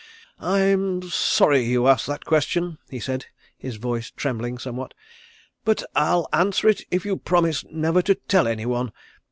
"I am sorry you asked that question," he said, his voice trembling somewhat. "But I'll answer it if you promise never to tell anyone.